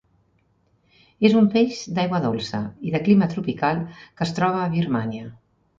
És un peix d'aigua dolça i de clima tropical que es troba a Birmània.